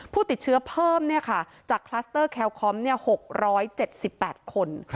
ผู้ติดเชื้อเพิ่มจากคลัสเตอร์แคลคอม๖๗๘คน